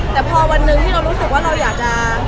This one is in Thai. แต่พอวันหนึ่งที่เรารู้สึกว่าเราอยากจะ